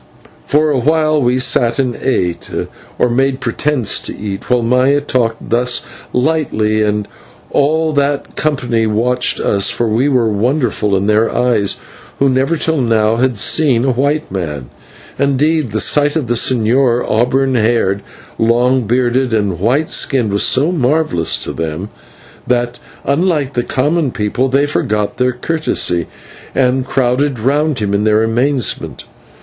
For a while we sat and ate, or made pretence to eat, while Maya talked thus lightly and all that company watched us, for we were wonderful in their eyes, who never till now had seen a white man. Indeed, the sight of the señor, auburn haired, long bearded, and white skinned, was so marvellous to them, that, unlike the common people, they forgot their courtesy and crowded round him in their amazement.